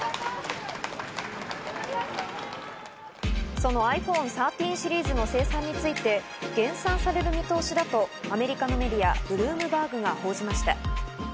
そのｉＰｈｏｎｅ１３シリーズの生産について減産される見通しだとアメリカのメディア、ブルームバーグが報じました。